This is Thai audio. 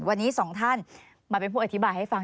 วันนี้สองท่านมาเป็นผู้อธิบายให้ฟัง